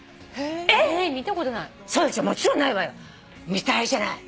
見たいじゃない。